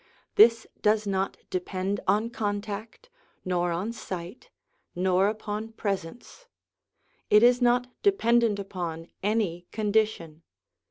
This does not depend on contact, nor on sight, nor upon presence; it is not dependent upon any condition.